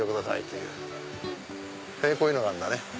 こういうのがあるんだね。